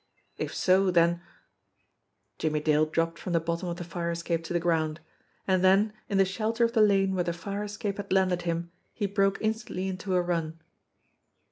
Tf so, then Jimmie Dale dropped from the bottom of the fire escape to the ground. And then, in the shelter of the lane where the fire escape had landed him, he broke instantly into a run.